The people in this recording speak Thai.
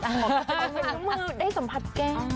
เป็นนิ้วมือได้สัมผัสแกง